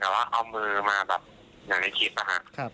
เขาก็เอามือกับแม่ยะ